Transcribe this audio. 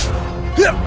kau akan dihukum